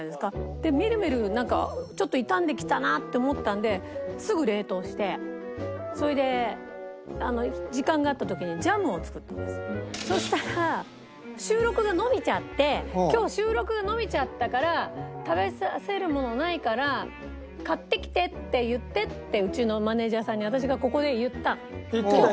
でみるみるなんかちょっと傷んできたなって思ったんですぐ冷凍してそれで時間があった時にそしたら収録が延びちゃって「今日収録が延びちゃったから食べさせるものないから買ってきてって言って」ってうちのマネージャーさんに私がここで言ったの。